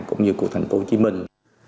cũng như của thành phố hồ chí minh